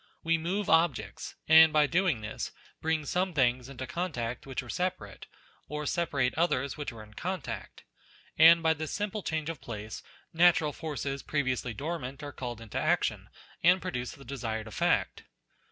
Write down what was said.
We move objects, and by doing this, bring some things into contact which were separate, or separate others which were in contact : and by this simple change of place, natural forces previously dormant are called into action, and produce the desired effect.